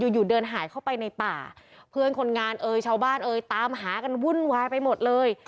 อยู่อยู่เดินหายเข้าไปในป่าเพื่อนคนงานเอ่ยชาวบ้านเอ่ยตามหากันวุ่นวายไปหมดเลย